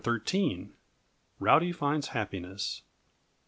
CHAPTER 13. Rowdy Finds Happiness.